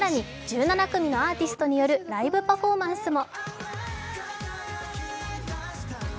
１７組のアーティストによるライブパフォーマンスも。